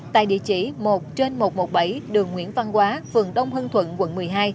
tại địa chỉ một trên một trăm một mươi bảy đường nguyễn văn quá phường đông hưng thuận quận một mươi hai